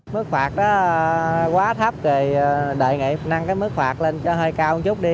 mức phạt quá thấp đề nghị nâng mức phạt lên cho hơi cao một chút đi